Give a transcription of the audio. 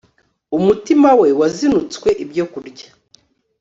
umutima we wazinutswe ibyo kurya